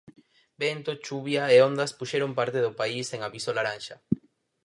Vento, chuvia e ondas puxeron parte do país en aviso laranxa.